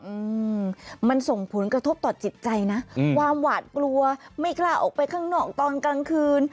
อืมมันส่งผลกระทบต่อจิตใจนะอืมความหวาดกลัวไม่กล้าออกไปข้างนอกตอนกลางคืน